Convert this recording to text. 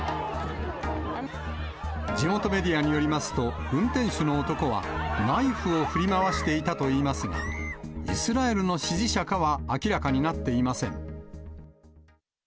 地元メディアによりますと、運転手の男はナイフを振り回していたといいますが、イスラエルの支持者かは明らかになっていません。